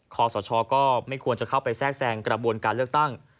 ขอสชก็ไม่ควรจะเข้าไปแทรกแทรงกระบวนการเลือกตั้ง